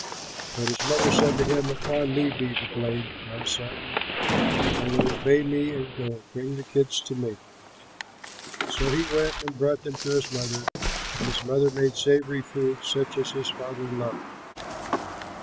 But his mother said to him, "Upon me be the blame, my son; only obey me and go, bring the kids to me." So he went and brought them to his mother, and his mother made savory food such as his father loved.